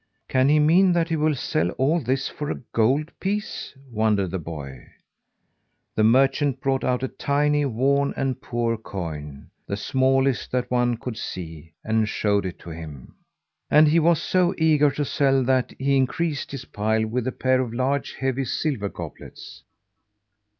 "Can he mean that he will sell all this for a gold piece?" wondered the boy. The merchant brought out a tiny worn and poor coin the smallest that one could see and showed it to him. And he was so eager to sell that he increased his pile with a pair of large, heavy, silver goblets.